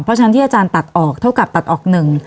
เพราะฉะนั้นที่อาจารย์ตัดออกเท่ากับตัดออกหนึ่ง